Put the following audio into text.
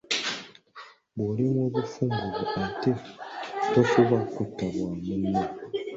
Bw'olemwa obufumbo bwo ate tofuba kutta bwa munno.